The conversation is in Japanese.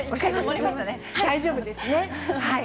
大丈夫ですね。